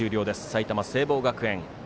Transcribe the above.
埼玉、聖望学園。